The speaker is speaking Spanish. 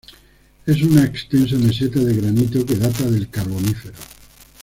Es una extensa meseta de granito que data del Carbonífero.